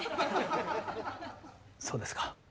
そうですか。